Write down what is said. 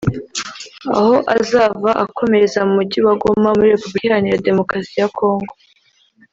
aho azava akomereza mu mujyi wa Goma muri Repubulika Iharanira Demokarasi ya Congo